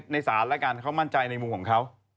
ในศาลแล้วกันเขามั่นใจในมุมของเขา